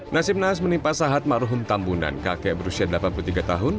nasib nas menimpa sahat marhum tambunan kakek berusia delapan puluh tiga tahun